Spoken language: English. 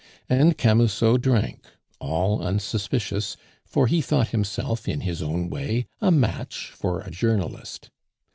And Camusot drank, all unsuspicious, for he thought himself, in his own way, a match for a journalist.